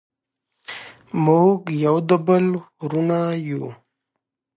موږ یو د بل وروڼه یو.